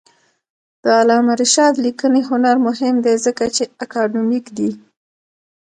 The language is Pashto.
د علامه رشاد لیکنی هنر مهم دی ځکه چې اکاډمیک دی.